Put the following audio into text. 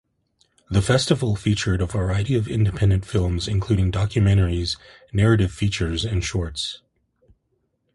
The festival featured a variety of independent films including documentaries, narrative features and shorts.